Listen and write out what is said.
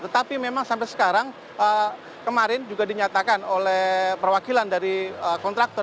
tetapi memang sampai sekarang kemarin juga dinyatakan oleh perwakilan dari kontraktor